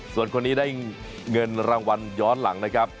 ส่วนคนนี้ได้เงินรางวัลย้อนหลังนะครับ